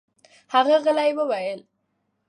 هغه غلې وویل: